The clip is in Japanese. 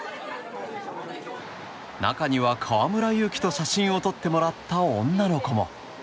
中には、河村勇輝と写真を撮ってもらった女の子も。